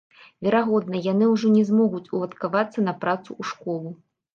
Верагодна, яны ўжо не змогуць уладкавацца на працу ў школу.